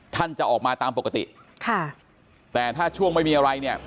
ท่านจะออกมาตามปกติค่ะแต่ถ้าช่วงไม่มีอะไรเนี่ย